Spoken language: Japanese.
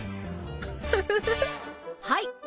フフフはい。